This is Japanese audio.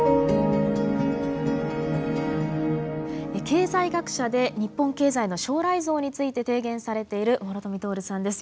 経済学者で日本経済の将来像について提言されている諸富徹さんです。